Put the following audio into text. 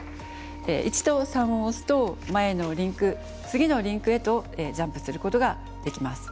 １と３を押すと前のリンク次のリンクへとジャンプすることができます。